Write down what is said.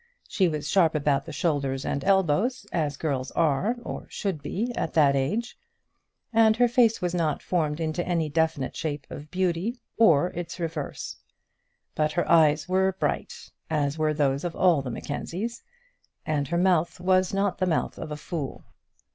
She was sharp about the shoulders and elbows, as girls are or should be at that age; and her face was not formed into any definite shape of beauty, or its reverse. But her eyes were bright as were those of all the Mackenzies and her mouth was not the mouth of a fool.